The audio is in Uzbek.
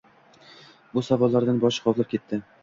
Bu savollardan boshi g’ovlab ketdi.